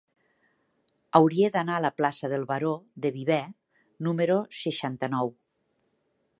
Hauria d'anar a la plaça del Baró de Viver número seixanta-nou.